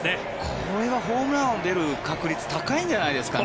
これはホームランが出る確率高いんじゃないですかね？